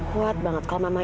kau bisa ke sana dulu nona